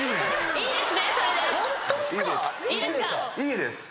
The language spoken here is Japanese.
いいです。